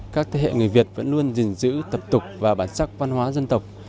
các thế hệ người việt vẫn luôn gìn giữ tập tục và bản sắc văn hóa dân tộc